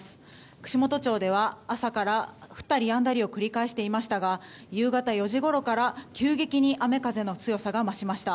串本町では朝から降ったりやんだりを繰り返していましたが夕方４時ごろから急激に雨風の強さが増しました。